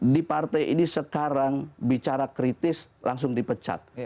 di partai ini sekarang bicara kritis langsung dipecat